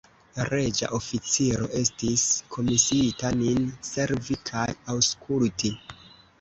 Reĝa oficiro estis komisiita nin servi kaj aŭskulti.